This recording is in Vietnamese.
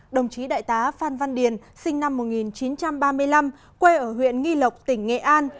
đồng chí đại tá phan văn điền sinh năm một nghìn chín trăm ba mươi năm quê ở huyện nghi lộc tỉnh nghệ an